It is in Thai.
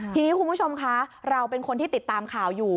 ทีนี้คุณผู้ชมคะเราเป็นคนที่ติดตามข่าวอยู่